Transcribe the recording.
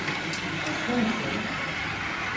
Hasta mısın?